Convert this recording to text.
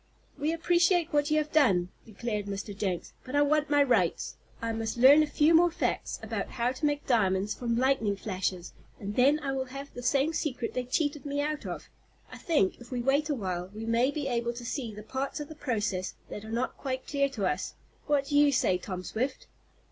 "We appreciate what you have done," declared Mr. Jenks, "but I want my rights. I must learn a few more facts about how to make diamonds from lightning flashes, and then I will have the same secret they cheated me out of. I think if we wait a while we may be able to see the parts of the process that are not quite clear to us. What do you say, Tom Swift?"